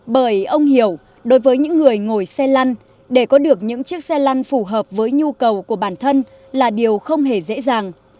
bởi ông hiểu đối với những người ngồi xe lăn để có được những chiếc xe lăn phù hợp với nhu cầu của bản thân là điều không hề dễ dàng